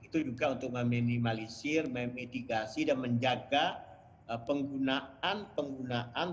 itu juga untuk meminimalisir memitigasi dan menjaga penggunaan penggunaan